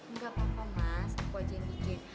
enggak apa apa mas aku aja yang bikin